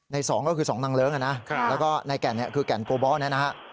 ๒ก็คือ๒นางเลิ้งนะแล้วก็ในแก่นคือแก่นโกบอลเนี่ยนะฮะ